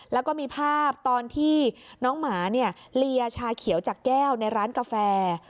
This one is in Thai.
แล้วก็มีภาพตอนที่น้องหมาเนี่ยเลียชาเขียวจากแก้วในร้านกาแฟ